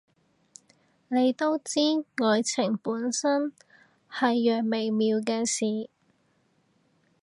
你都知，愛情本身係樣微妙嘅事